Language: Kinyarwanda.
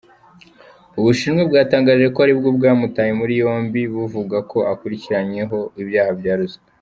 Ubushinwa bwatangaje ko ari bwo bwamutaye muri yombi, buvuga ko akurikiranweho ibyaha bya ruswa.